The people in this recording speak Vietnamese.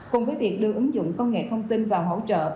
cùng với việc đưa ứng dụng công nghệ thông tin vào hỗ trợ